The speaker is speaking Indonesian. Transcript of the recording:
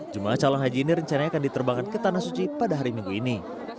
jemaah calon haji ini rencananya akan diterbangkan ke tanah suci pada hari minggu ini